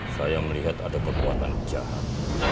saya melihat ada kekuatan jahat